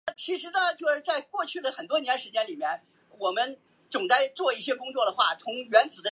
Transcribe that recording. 而一部分媒体则称她长得像另一名女演员坛蜜。